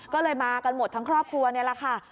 ก็เลยมากันหมดทั้งครอบครัวนี่แหละค่ะ